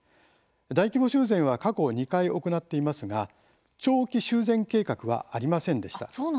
大規模修繕は過去２回、行っていますが長期修繕計画はありませんでした。